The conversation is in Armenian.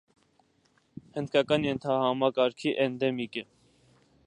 Հնդկական ենթահամակարգի էնդեմիկ է։